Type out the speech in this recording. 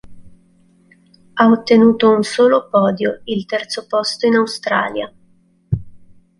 Ha ottenuto un solo podio, il terzo posto in Australia.